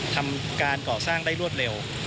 ทำการก่อสร้างได้รวดเร็ว